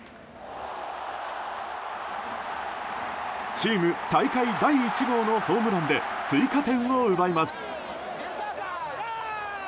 チーム大会第１号のホームランで追加点を奪います。